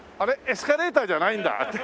エスカレーターじゃないんだって。